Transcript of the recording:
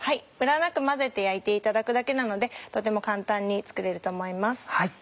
ムラなく混ぜて焼いていただくだけなのでとても簡単に作れると思います。